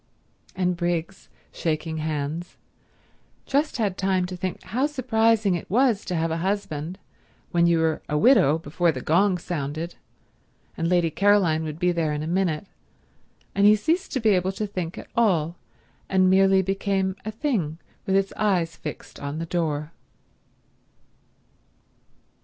And Briggs, shaking hands, just had time to think how surprising it was to have a husband when you were a widow before the gong sounded, and Lady Caroline would be there in a minute, and he ceased to be able to think at all, and merely became a thing with its eyes fixed on the door.